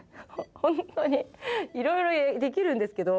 本当にいろいろできるんですけど